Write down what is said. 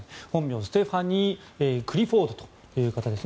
本名、ステファニー・クリフォードという方です。